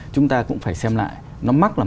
chúng ta cũng phải xem lại nó mắc là